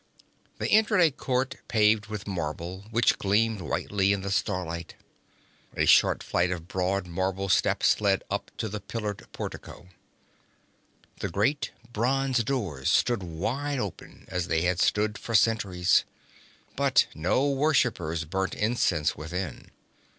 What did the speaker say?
They entered a court paved with marble which gleamed whitely in the starlight. A short flight of broad marble steps led up to the pillared portico. The great bronze doors stood wide open as they had stood for centuries. But no worshippers burnt incense within.